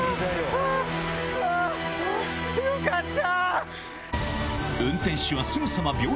あよかった。